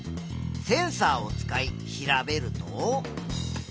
センサーを使い調べると。